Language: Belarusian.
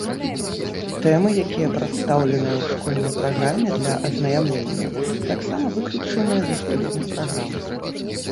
Тэмы, якія прадстаўленыя ў школьнай праграме для азнаямлення, таксама выключаныя з уступных праграм.